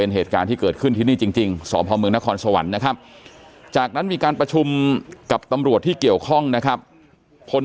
จริงจริงจริงจริงจริงจริงจริงจริงจริงจริงจริงจริง